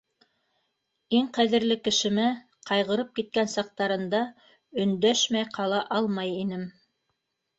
Иң ҡәҙерле кешемә, ҡайғырып киткән саҡтарында, өндәшмәй ҡала алмай инем.